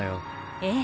ええ。